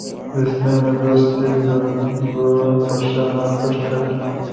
رښتینی دوستي د زرو په شان ارزښت لري.